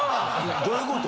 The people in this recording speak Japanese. どういうこと？